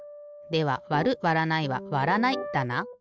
ではわるわらないはわらないだな。